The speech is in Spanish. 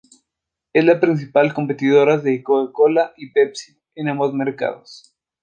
Es la principal competidora de Coca-Cola y Pepsi en ambos mercados.